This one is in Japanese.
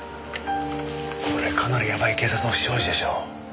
これかなりやばい警察の不祥事でしょ。